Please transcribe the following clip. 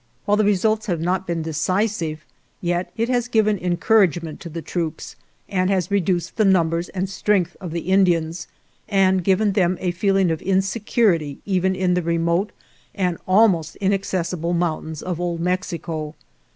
While the results have not been decisive, yet it has given encouragement to the troops, and has reduced the numbers and strength of the Indians, and given them a feeling of insecurity even in the remote and almost inaccessible mountains of Old Mexico.'